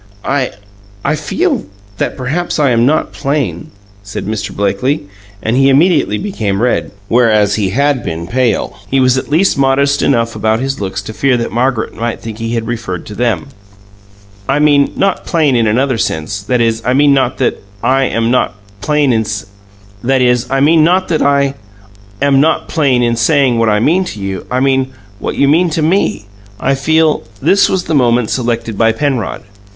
"I I feel that perhaps I am not plain," said Mr. Blakely, and immediately became red, whereas he had been pale. He was at least modest enough about his looks to fear that Margaret might think he had referred to them. "I mean, not plain in another sense that is, I mean not that I am not plain in saying what I mean to you I mean, what you mean to ME! I feel " This was the moment selected by Penrod.